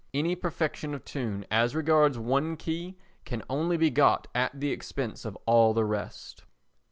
Any perfection of tune as regards one key can only be got at the expense of all the rest.